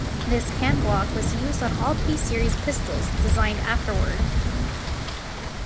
This camblock was used on all P-series pistols designed afterward.